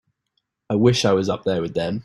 I wish I was up there with them.